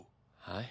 はい？